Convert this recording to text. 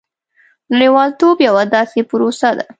• نړیوالتوب یوه داسې پروسه ده.